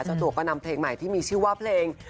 เจ้าตัวก็นำเพลงใหม่ที่มีชื่อว่าเพลง